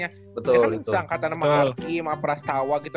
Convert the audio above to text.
dia kan disangkatan sama arki sama prastawa gitu